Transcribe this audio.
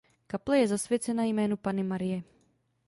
Kaple je zasvěcena jménu Panny Marie.